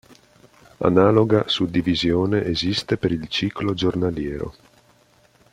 Analoga suddivisione esiste per il ciclo giornaliero.